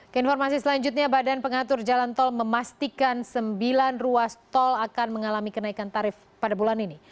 keinformasi selanjutnya badan pengatur jalan tol memastikan sembilan ruas tol akan mengalami kenaikan tarif pada bulan ini